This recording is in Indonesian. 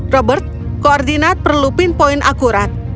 robert koordinat perlu pinpoint akurat